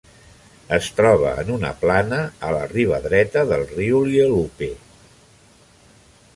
Es troba en una plana a la riba dreta del riu Lielupe.